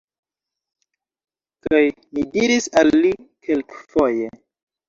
Kaj mi diris al li kelkfoje: